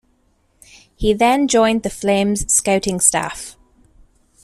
He then joined the Flames' scouting staff.